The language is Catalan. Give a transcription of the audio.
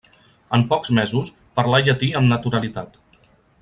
En pocs mesos, parlà llatí amb naturalitat.